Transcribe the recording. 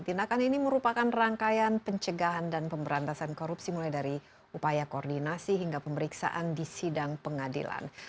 tindakan ini merupakan rangkaian pencegahan dan pemberantasan korupsi mulai dari upaya koordinasi hingga pemeriksaan di sidang pengadilan